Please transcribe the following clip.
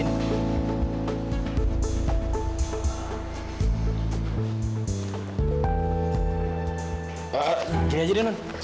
ini aja deh nun